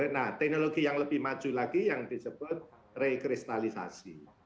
nah teknologi yang lebih maju lagi yang disebut rekristalisasi